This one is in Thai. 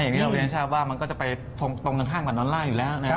อย่างนี้เราเรียนชาติว่ามันก็จะไปตรงต่างกับดอลลาร์อยู่แล้วนะครับ